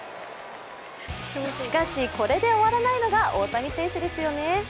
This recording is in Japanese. しかしこれで終わらないのが大谷選手ですよね。